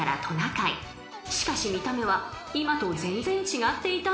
［しかし見た目は今と全然違っていたんです］